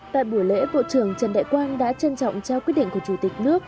tại buổi lễ bộ trưởng trần đại quang đã trân trọng trao quyết định của chủ tịch nước